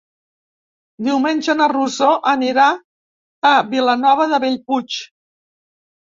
Diumenge na Rosó anirà a Vilanova de Bellpuig.